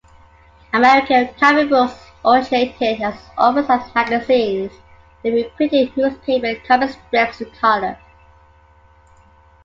American comic books originated as oversized magazines that reprinted newspaper comic strips in color.